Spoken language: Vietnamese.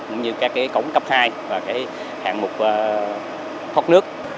cũng như các cống cấp hai và hạng mục thoát nước